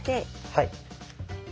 はい。